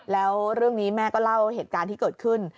แล้วเรื่องนี้แม่ก็เล่าเหตุการณ์ที่เกิดขึ้น